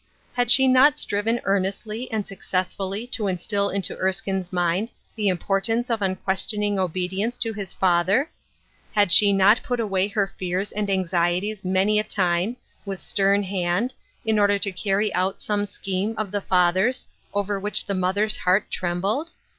Had she not striven earnestly and successfully to instill into Erskine's mind the importance of unquestioning obedience to his father ? Had she not put away her fears and anxieties many a time with stern hand, in order to carry out some scheme of the father's, over which the mother's heart trembled